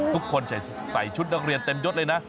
ทุกคนใส่ชุดนักเรียนเต็มยดเลยนะ